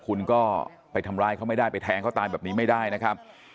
คุณก็ไปทำร้ายเขาไม่ได้ไปแทงเขาตายแบบนี้ไม่ได้นะครับ